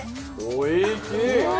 おいしい！